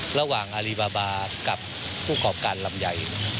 ระหว่างอลีบาร์บาร์กับผู้ขอบการลำไย